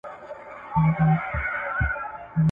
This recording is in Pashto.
هغه استاد چي په لابراتوار کي مرسته کوي ډېر ښه لارښود دی.